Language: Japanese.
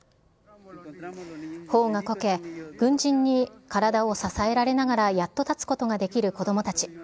ほおがこけ、軍人に体を支えられながらやっと立つことができる子どもたち。